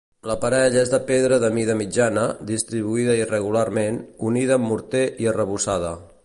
L'aparell és de pedra de mida mitjana, distribuïda irregularment, unida amb morter i arrebossada.